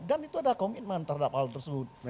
dan itu ada komitmen terhadap hal tersebut